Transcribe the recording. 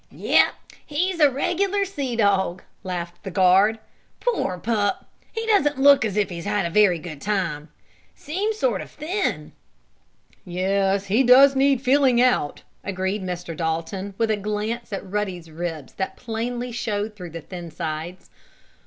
"Yes, he's a regular sea dog!" laughed the guard. "Poor pup! He doesn't look as if he'd had a very good time. Seems sort of thin!" "Yes, he does need filling out," agreed Mr. Dalton, with a glance at Ruddy's ribs that plainly showed through the thin sides.